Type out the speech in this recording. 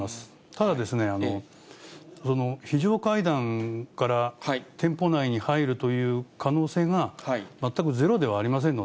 ただ、その非常階段から店舗内に入るという可能性が全くゼロではありま